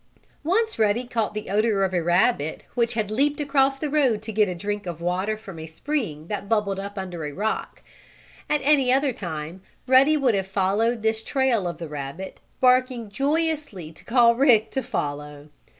Once Ruddy caught the odor of a rabbit which had leaped across the road to get a drink of water from a spring that bubbled up under a rock. At any other time Ruddy would have followed this trail of the rabbit, barking joyously to call Rick to follow.